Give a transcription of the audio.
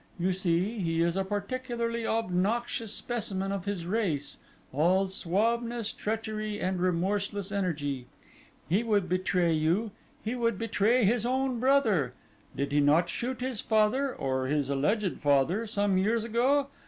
You see, he is a particularly obnoxious specimen of his race; all suaveness, treachery, and remorseless energy. He would betray you; he would betray his own brother. Did he not shoot his father or his alleged father, some years ago?